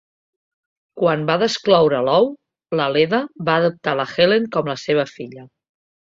Quan va descloure l'ou, la Leda va adoptar la Helen com la seva filla.